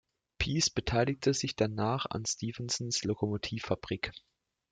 Pease beteiligte sich danach auch an Stephensons Lokomotiv-Fabrik.